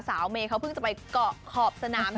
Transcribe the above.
เมย์เขาเพิ่งจะไปเกาะขอบสนาม